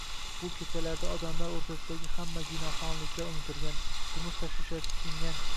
Bu kechalarda odamlar o'rtasidagi hamma ginaxonliklar unutilgan, turmush tashvishlari chekingan